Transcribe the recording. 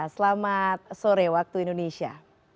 selamat sore waktu indonesia